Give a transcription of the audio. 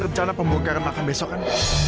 recana pemburuk garam makan besokan